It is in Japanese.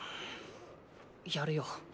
やるよ。